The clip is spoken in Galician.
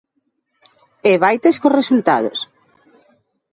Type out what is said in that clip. E vaites cos resultados.